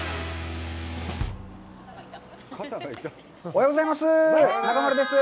おはようございます。